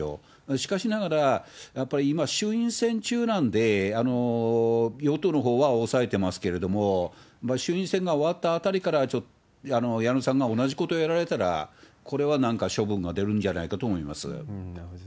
しかしながら、やっぱり今、衆院選中なんで、与党のほうは抑えてますけれども、やっぱり衆院選が終わったあたりから、矢野さんが同じことをやられたら、これはなんか処分が出るんじゃないかと思います。